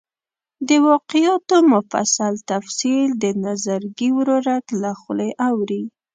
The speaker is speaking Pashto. د واقعاتو مفصل تفصیل د نظرګي ورورک له خولې اوري.